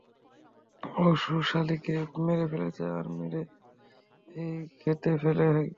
ও সুশীলাকে মেরে ফেলেছে, আর মেরে এই ক্ষেতে ফেলে গেছে?